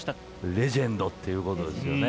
レジェンドっていうことですよね。